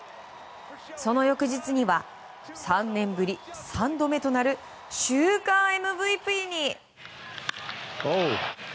その翌日には３年ぶり３度目となる週間ＭＶＰに。